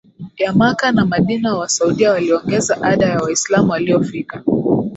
ya Makka na Madina Wasaudia waliongeza ada ya Waislamu waliofika